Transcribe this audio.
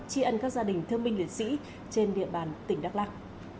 tri ân các gia đình thương minh liệt sĩ trên địa bàn tỉnh đắk lắc